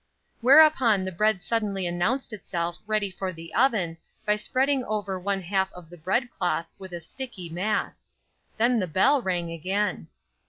Whereupon the bread suddenly announced itself ready for the oven by spreading over one half of the bread cloth, with a sticky mass. Then the bell rang again.